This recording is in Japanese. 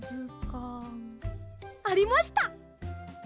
ありました！